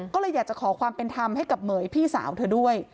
ก็เลยอยากจะขอความเป็นธรรมให้กับเหม๋ยพี่สาวเธอด้วย